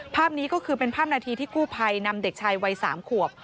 ภาพนี้ก็คือเป็นภาพนาทีที่กู้ภัยนำเด็กชายวัย๓ขวบ